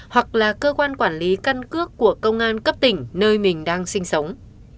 hoặc là cơ quan quản lý căn cước của công an cấp tỉnh nơi mình đang sinh sống